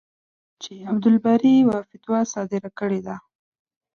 چې عبدالباري یوه فتوا صادره کړې ده.